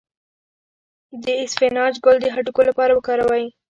د اسفناج ګل د هډوکو لپاره وکاروئ